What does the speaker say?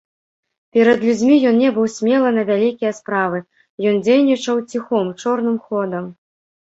Перад людзьмі ён не быў смелы на вялікія справы, ён дзейнічаў ціхом, чорным ходам.